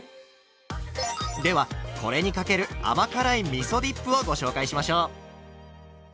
ではこれにかける甘辛いみそディップをご紹介しましょう。